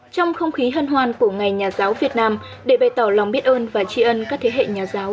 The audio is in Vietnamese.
trong không khí hân hoan của ngày nhà giáo việt nam để bày tỏ lòng biết ơn và tri ân các thế hệ nhà giáo